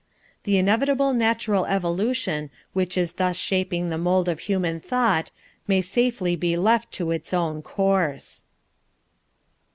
The inevitable natural evolution which is thus shaping the mould of human thought may safely be left to its own course.